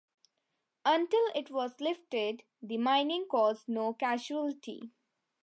Until it was lifted, the mining caused no casualty.